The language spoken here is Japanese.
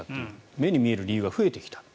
目に見える理由が増えてきた。